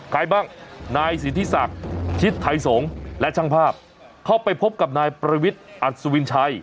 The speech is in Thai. ใครบ้างนายสิทธิศักดิ์ชิดไทยสงฆ์และช่างภาพเข้าไปพบกับนายประวิทย์อัศวินชัย